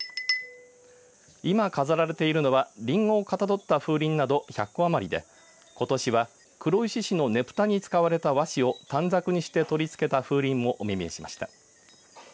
今飾られているのはリンゴをかたどった風鈴など１００個余りでことしは黒石市のねぷたに使われた和紙を短冊にして取り付けた風鈴をお目見えしました。